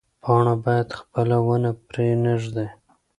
پاڼه باید خپله ونه پرې نه ږدي.